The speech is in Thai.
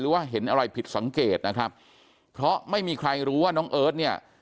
ว่าเห็นอะไรผิดสังเกตนะครับเพราะไม่มีใครรู้ว่าน้องเอิร์ทเนี่ย